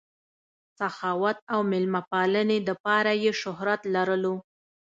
سخاوت او مېلمه پالنې دپاره ئې شهرت لرلو